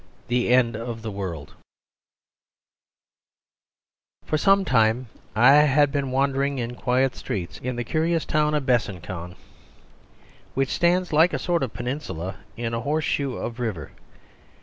The End of the World For some time I had been wandering in quiet streets in the curious town of Besançon, which stands like a sort of peninsula in a horse shoe of river.